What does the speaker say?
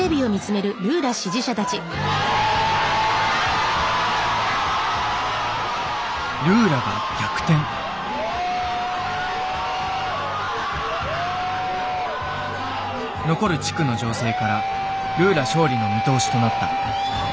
残る地区の情勢からルーラ勝利の見通しとなった。